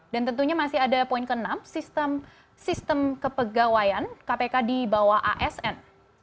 dan tentunya masih ada poin keenam sistem kepegawaian kpk di bawah asn